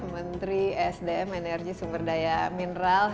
menteri sdm energi sumber daya mineral